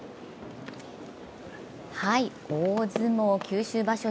大相撲九州場所